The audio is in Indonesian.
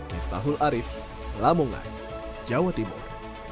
di tahun arif lamungan jawa timur